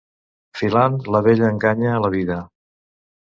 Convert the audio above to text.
Filant, la vella enganya la vida.